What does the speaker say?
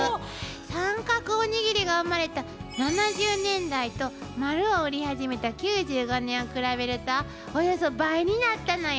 三角おにぎりが生まれた７０年代と丸を売り始めた９５年を比べるとおよそ倍になったのよ。